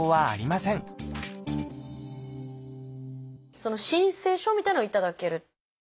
その申請書みたいなのを頂ける？